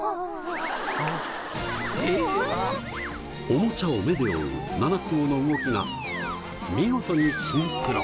おもちゃを目で追う七つ子の動きが見事にシンクロ。